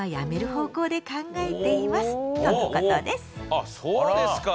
あそうですか！